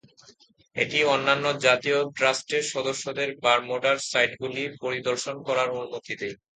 এটি অন্যান্য জাতীয় ট্রাস্টের সদস্যদের বারমুডার সাইটগুলি পরিদর্শন করার অনুমতি দেয়।